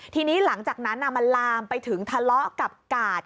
ทีนี้หลังจากนั้นมันลามไปถึงทะเลาะกับกาด